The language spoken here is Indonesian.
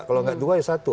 kalau nggak dua ya satu